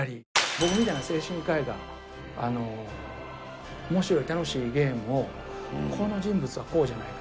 僕みたいな精神科医が面白い楽しいゲームを「この人物はこうじゃないか」